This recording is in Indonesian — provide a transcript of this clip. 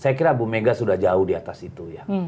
saya kira bu mega sudah jauh di atas itu ya